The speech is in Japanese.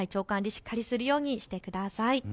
しっかりするようにしてください。